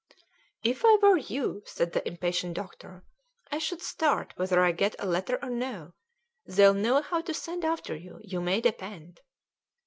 "If I were you," said the impatient doctor, "I should start whether I get a letter or no; they'll know how to send after you, you may depend."